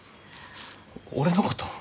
俺のこと？